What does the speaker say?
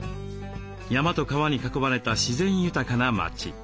山と川に囲まれた自然豊かな町。